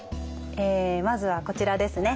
えまずはこちらですね。